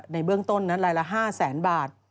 ในเบื้องต้นนั้นรายละ๕แสนบาท